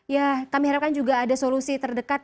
ya kami harapkan juga ada solusi terdekat